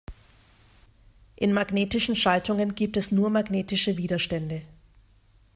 In magnetischen Schaltungen gibt es nur magnetische Widerstände.